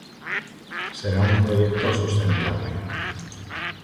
Será un proyecto sustentable.